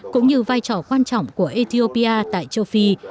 hai nghìn một mươi tám cũng như vai trò quan trọng của ethiopia tại châu phi